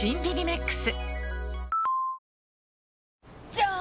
じゃーん！